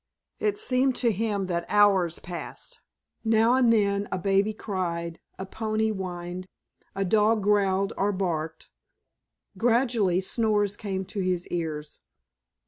It seemed to him that hours passed. Now and then a baby cried, a pony whinnied, a dog growled or barked. Gradually snores came to his ears.